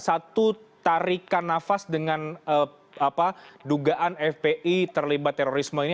satu tarikan nafas dengan dugaan fpi terlibat terorisme ini